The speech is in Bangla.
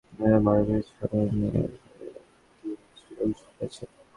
নূর খানের মতে, দেশে শিশু নির্যাতন বাড়ার পেছনে বিচারহীনতার সংস্কৃতির একটি যোগসূত্র আছে।